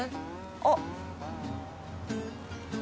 「あっ」